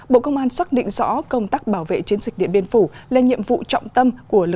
bộ công an xác định rõ công tác bảo vệ chiến dịch điện biên phủ là nhiệm vụ trọng tâm của